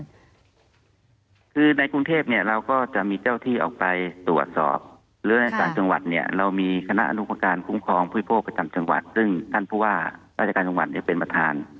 คือในกรุงเทพเนี่ยเราก็จะมีเจ้าที่ออกไปตรวจสอบหรือในต่างจังหวัดเนี่ยเรามีคณะอนุประการคุ้มครองผู้โภคประจำจังหวัดซึ่งท่านผู้ว่าราชการจังหวัดเนี่ยเป็นประธาน